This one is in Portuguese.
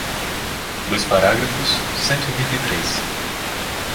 Dois parágrafos, cento e vinte e três